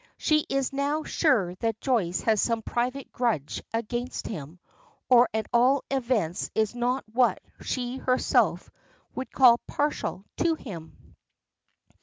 She is now sure that Joyce has some private grudge against him, or at all events is not what she herself would call "partial to him."